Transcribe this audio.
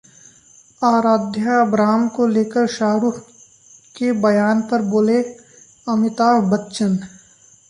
आराध्या-अबराम को लेकर शाहरुख के बयान पर बोले अमिताभ बच्चन